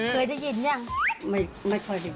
อยากให้พี่ลองดูเจาะหูให้หนูที